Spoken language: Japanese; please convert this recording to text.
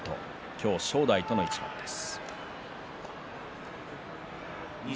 今日は正代との一番です。